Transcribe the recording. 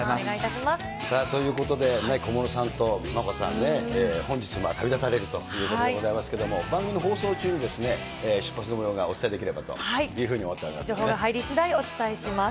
さあ、ということで小室さんと眞子さんね、本日旅立たれるということですが、番組の放送中に出発のもようがお伝えできればというふうに思って情報が入りしだい、お伝えします。